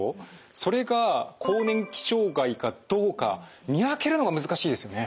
それが更年期障害かどうか見分けるのが難しいですよね。